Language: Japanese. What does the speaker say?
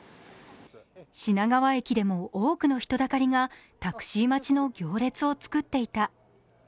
品川駅でも多くの人だかりがタクシー待ちの行列を作っていた。